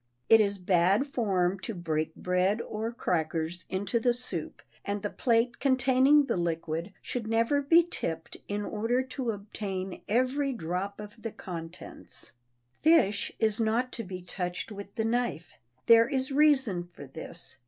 It is bad form to break bread or crackers into the soup, and the plate containing the liquid should never be tipped in order to obtain every drop of the contents. Fish is not to be touched with the knife. There is reason for this.